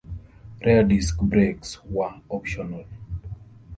Rear disc brakes were optional.